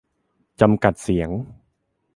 -จำกัดเสียง